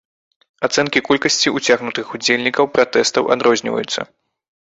Ацэнкі колькасці уцягнутых удзельнікаў пратэстаў адрозніваюцца.